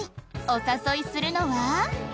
お誘いするのは？